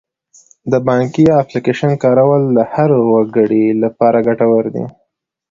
د بانکي اپلیکیشن کارول د هر وګړي لپاره ګټور دي.